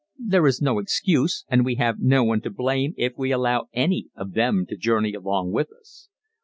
There is no excuse, and we have no one to blame if we allow any of them to journey along with us.